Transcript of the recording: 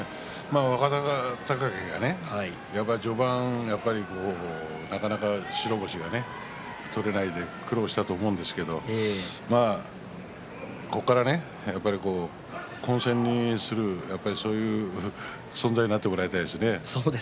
若隆景がね、やっぱり序盤なかなか白星が取れないで苦労したと思うんですけどここから混戦にするそういう存在になってもらいたいですね。